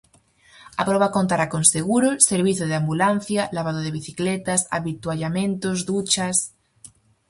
A proba contará con: seguro, servizo de ambulancia, lavado de bicicletas, avituallamentos, duchas...